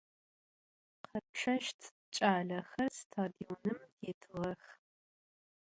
Kheççeşt ç'alexer stadionım detığex.